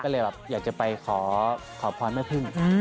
เราก็หาไปขอภอนมา่พึ่ง